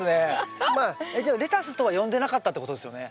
えっじゃあ「レタス」とは呼んでなかったってことですよね？